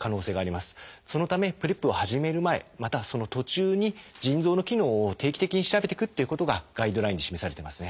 そのためＰｒＥＰを始める前またはその途中に腎臓の機能を定期的に調べてくっていうことがガイドラインに示されてますね。